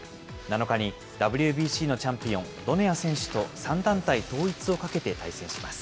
７日にＷＢＣのチャンピオン、ドネア選手と３団体統一をかけて対戦します。